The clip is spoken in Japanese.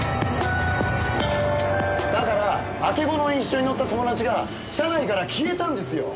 だからあけぼのに一緒に乗った友達が車内から消えたんですよ。